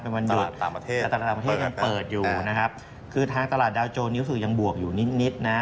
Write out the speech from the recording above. เป็นวันหยุดแต่ตลาดต่างประเทศยังเปิดอยู่นะครับคือทางตลาดดาวโจนนิ้วสื่อยังบวกอยู่นิดนะ